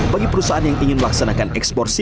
bagi perusahaan yang ingin melaksanakan ekspor minyak sawit